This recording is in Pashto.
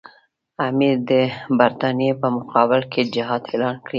امیر د برټانیې په مقابل کې جهاد اعلان کړی وو.